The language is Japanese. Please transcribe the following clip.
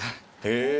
へえ！